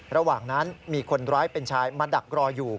ระหว่างนั้นมีคนร้ายเป็นชายมาดักรออยู่